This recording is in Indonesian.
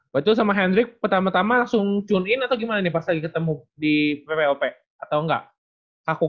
waktu itu sama hendrik pertama tama langsung tune in atau gimana nih pas lagi ketemu di ppop atau enggak kaku kakuan dulu